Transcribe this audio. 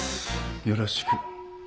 よろしく。